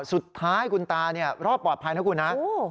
สุดท้ายคุณตาเนี่ยรอบปลอดภัยนะคุณฮะ